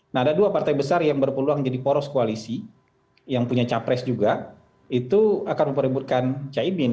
nah ada dua partai besar yang berpeluang jadi poros koalisi yang punya capres juga itu akan mempeributkan caimin